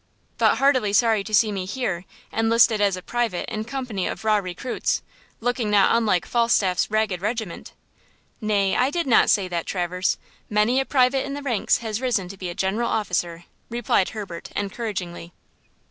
"But heartily sorry to see me here, enlisted as a private in company of raw recruits, looking not unlike Falstaff's ragged regiment?" "Nay; I did not say that, Traverse. Many a private in the ranks has risen to be a general officer," replied Herbert, encouragingly.